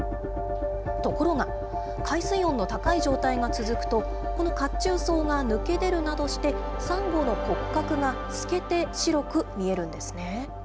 ところが、海水温の高い状態が続くと、この褐虫藻が抜け出るなどして、サンゴの骨格が透けて白く見えるんですね。